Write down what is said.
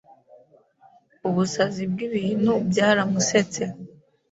Ubusazi bwibintu byaramusetse.